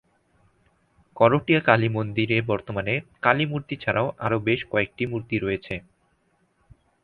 করটিয়া কালী মন্দির এ বর্তমানে কালী মূর্তি ছাড়াও আরো বেশ কয়েকটি মূর্তি রয়েছে।